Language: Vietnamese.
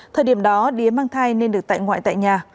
thời điểm đó đía mang thai nên được tại ngoại tại nhà